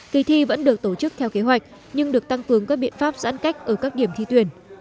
kỳ thi vẫn được tổ chức theo kế hoạch nhưng được tăng cường các biện pháp giãn cách ở các điểm thi tuyển